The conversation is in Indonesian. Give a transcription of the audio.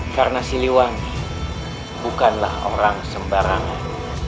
karena siliwangi bukanlah orang sembarangan